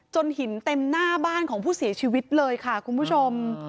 หินเต็มหน้าบ้านของผู้เสียชีวิตเลยค่ะคุณผู้ชม